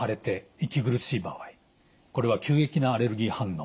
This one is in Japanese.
これは急激なアレルギー反応